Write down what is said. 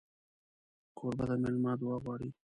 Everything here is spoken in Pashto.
کوربه د مېلمه دعا غواړي.